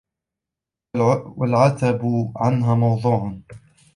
وَالْعَتْبُ عَنْهَا مَوْضُوعٌ